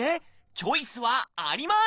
チョイスはあります！